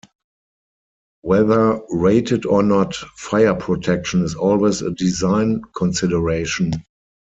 Whether rated or not, fire protection is always a design consideration.